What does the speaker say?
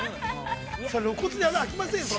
それは、露骨に穴は開きませんよ。